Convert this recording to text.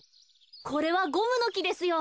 これはゴムのきですよ。